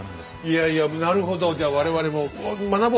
いやいやなるほどじゃあ我々も学ぼう！